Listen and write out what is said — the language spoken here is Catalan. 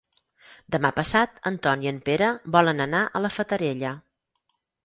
Demà passat en Ton i en Pere volen anar a la Fatarella.